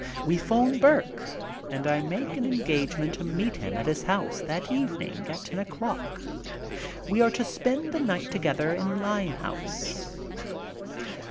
We phone Burke and I make an engagement to meet him at his home that evening at ten o'clock. We are to spend the night together in Limehouse.